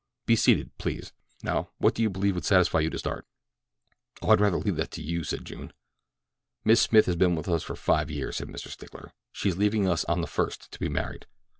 Be seated, please. Now, what do you believe would satisfy you to start?" "Oh, I'd rather leave that to you," said June. "Miss Smith has been with us for five years," said Mr. Stickler. "She is leaving on the first to be married.